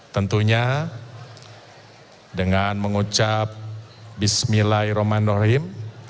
tentunya dengan mengucap bismillahirrahmanirrahim